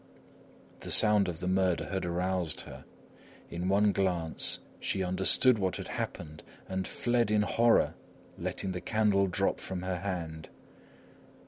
The sound of the murder had aroused her. In one glance she understood what had happened and fled in horror, letting the candle drop from her hand.